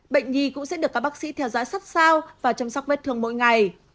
bệnh nhi cũng sẽ được các bác sĩ theo dõi sát sao và chăm sóc vết thương mỗi ngày